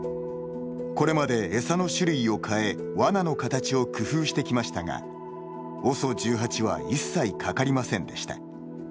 これまで、餌の種類を変えワナの形を工夫してきましたがＯＳＯ１８は一切かかりませんでした。